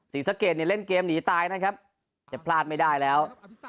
ศรีสะเกดเนี่ยเล่นเกมหนีตายนะครับจะพลาดไม่ได้แล้ว